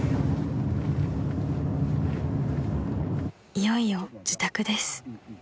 ［いよいよ自宅です］